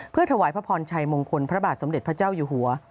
เพื่อถวายพระพรชัยมงคลพระบาทสมเด็จพระเจ้าอยู่หัว